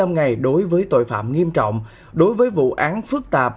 bốn mươi năm ngày đối với tội phạm nghiêm trọng đối với vụ án phức tạp